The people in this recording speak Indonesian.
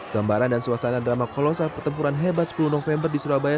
gambaran dan suasana drama kolosal pertempuran hebat sepuluh november di surabaya